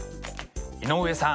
井上さん